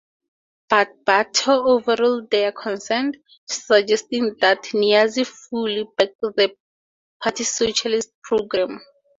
But Bhutto overruled their concerns, suggesting that Niazi fully backed the party's socialist programme.